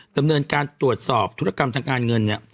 ดำเนินการตรวจสอบธุรกรรมทางการเงินเนี่ย